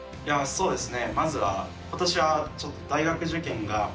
そうですね。